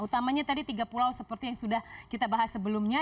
utamanya tadi tiga pulau seperti yang sudah kita bahas sebelumnya